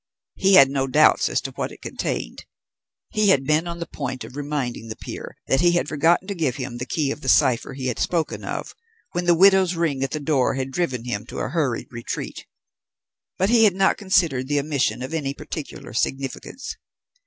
He had no doubts as to what it contained; he had been on the point of reminding the peer that he had forgotten to give him the key of the cipher he had spoken of when the widow's ring at the door had driven him to a hurried retreat, but he had not considered the omission of any particular significance.